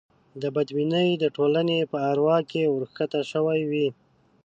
دا بدبینۍ د ټولنې په اروا کې ورکښته شوې وې.